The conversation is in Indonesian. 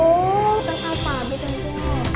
bukan alfabet mpok